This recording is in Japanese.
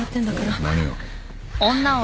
何を？